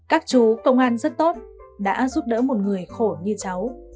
các chú công an rất tốt đã giúp đỡ một người khổ như cháu